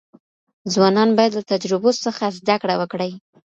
ځوانان باید له تجربو څخه زده کړه وکړي.